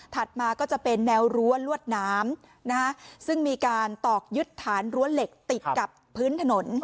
มาก็จะเป็นแนวรั้วลวดน้ำซึ่งมีการตอกยึดฐานรั้วเหล็กติดกับพื้นถนน